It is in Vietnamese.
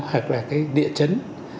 hoặc là cái địa chấn